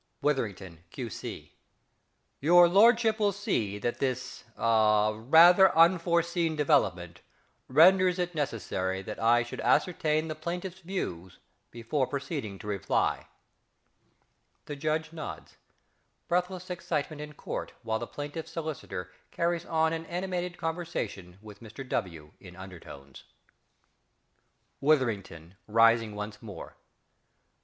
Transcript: _) Witherington, Q.C. Your lordship will see that this ah rather unforeseen development renders it necessary that I should ascertain the plaintiff's views before proceeding to reply. (_The Judge nods: breathless excitement in Court while the plaintiff's solicitor carries on an animated conversation with ~Mr W.~ in undertones._) Witherington (rising once more).